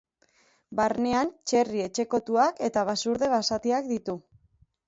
Barnean txerri etxekotuak eta basurde basatiak ditu.